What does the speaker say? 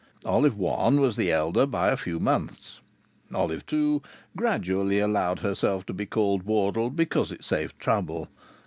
Olive One was the elder by a few months. Olive Two gradually allowed herself to be called Wardle because it saved trouble.